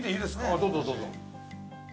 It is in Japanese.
どうぞどうぞ。